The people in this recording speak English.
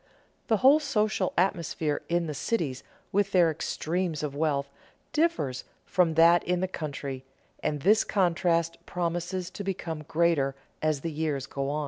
The whole social atmosphere in the cities, with their extremes of wealth, differs from that in the country, and this contrast promises to become greater as the years go on.